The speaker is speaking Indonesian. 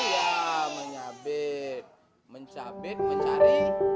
ya menyabit mencabit mencari